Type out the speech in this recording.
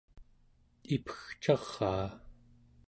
ipegcaraa